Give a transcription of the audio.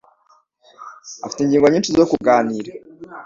Afite ingingo nyinshi zo kuganira.